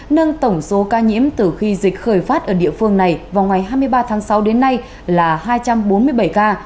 nâng tổng số ca nhiễm từ khi dịch khởi phát ở địa phương này vào ngày hai mươi ba tháng sáu đến nay là hai trăm bốn mươi bảy ca